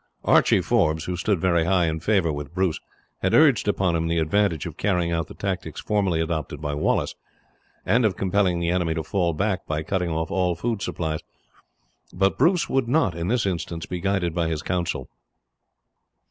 Archie Forbes, who stood very high in favour with Bruce, had urged upon him the advantage of carrying out the tactics formerly adopted by Wallace, and of compelling the enemy to fall back by cutting off all food supplies, but Bruce would not, in this instance, be guided by his counsel.